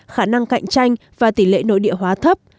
khả năng cạnh tranh và tỷ lệ nội địa hóa thấp